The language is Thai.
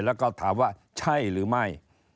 แล้วก็ถามว่าใช่หรือไม่